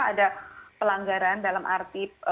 ada pelanggaran dalam arti